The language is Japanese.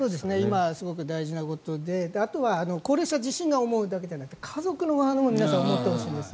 今のすごく大事なことであとは高齢者自身が思うだけじゃなくて家族のほうも皆さん思ってほしいんです。